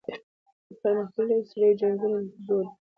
پرمختللي وسلې او جنګونه دوه دي.